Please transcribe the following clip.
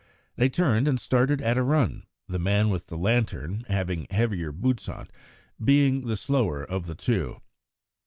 They turned and started at a run, the man with the lantern, having heavier boots on, being the slower of the two.